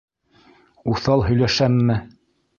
Уҫал һөйләшәмме?